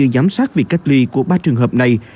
giám sát việc cách ly của ba trường hợp này